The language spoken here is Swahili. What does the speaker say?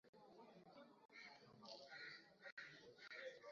Abakulishaki mtoto buyi bwa moto kama mzazi wake anako